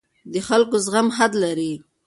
د خلکو زغم حد لري